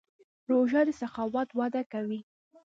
روژه د سخاوت وده کوي.